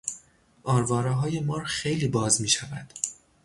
آروارههای مار خیلی باز میشود.